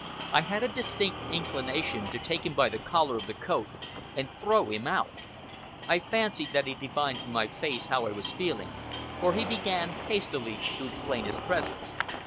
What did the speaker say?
I had a distinct inclination to take him by the collar of the coat and throw him out. I fancy that he divined from my face how I was feeling, for he began hastily to explain his presence.